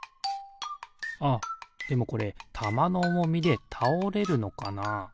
あっでもこれたまのおもみでたおれるのかな？